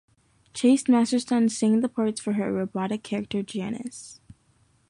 Chase Masterson sang the parts for her robotic character Janice.